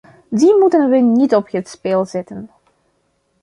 Die moeten we niet op het spel zetten.